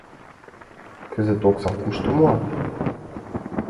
Кызыт оксам кушто муат?